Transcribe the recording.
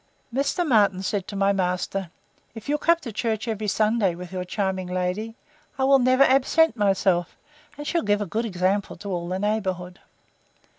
Mr. Martin said to my master, If you'll come to church every Sunday with your charming lady, I will never absent myself, and she'll give a good example to all the neighbourhood.